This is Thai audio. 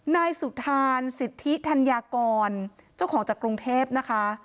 นายสุธานสิทธิธัญญากรเจ้าของจากกรุงเทพนะคะ